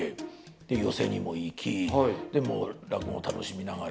寄席にも行き落語を楽しみながら。